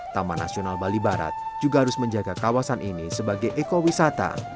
taman nasional bali barat juga harus menjaga kawasan ini sebagai ekowisata